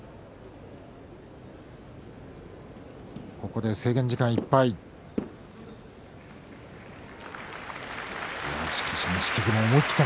ここで制限時間いっぱいです。